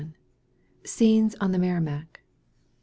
G. A. SCENES ON THE MERRIMAC.